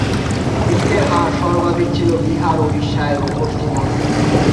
মৃতের হার সর্বাধিক ছিল বিহার, উড়িষ্যা এবং পশ্চিমবঙ্গে।